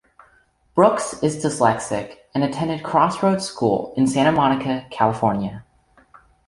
Brooks is dyslectic and attended Crossroads School in Santa Monica, California.